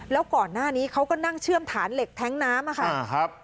แล้วก่อนหน้านี้เขาก็นั่งเชื่อมฐานเหล็กแท้งน้ำค่ะ